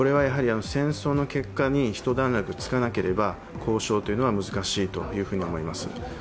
戦争の結果に一段落つかなければ交渉というのは難しいというふうに思います。